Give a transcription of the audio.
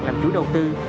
làm chủ đầu tư